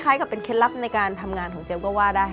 กับเป็นเคล็ดลับในการทำงานของเจลก็ว่าได้